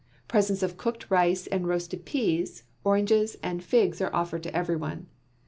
Presents of cooked rice and roasted peas, oranges, and figs are offered to every one.